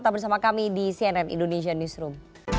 tetap bersama kami di cnn indonesia newsroom